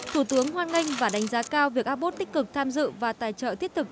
thủ tướng hoan nghênh và đánh giá cao việc abud tích cực tham dự và tài trợ thiết thực